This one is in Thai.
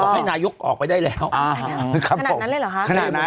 อ๋อให้นายยกออกไปได้แล้วคณะนั้นเลยหรอคณะนั้น